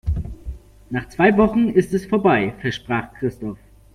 Nach zwei Wochen ist es vorbei, versprach Christoph.